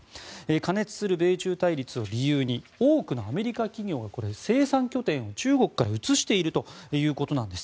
過熱する米中対立を理由に多くのアメリカ企業が生産拠点を中国から移しているということです。